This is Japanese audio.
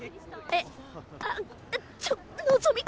えっあっちょっのぞみ！